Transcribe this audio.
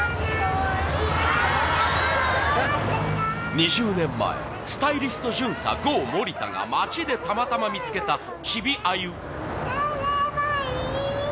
２０年前、スタイリスト巡査、ＧＯ森田が街でたまたま見つけたチビあゆ。